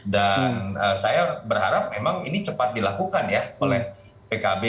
dan saya berharap memang ini cepat dilakukan ya oleh pkb